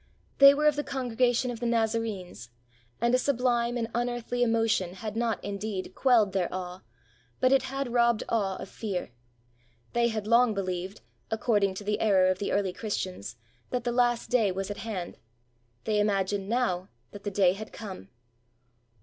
They were of the congregation of the Nazarenes; and a sublime and unearthly emotion had not, indeed, quelled their awe, but it had robbed awe of fear. They had long believed, according to the error of the early Christians, that the Last Day was at hand; they imagined now that the Day had come.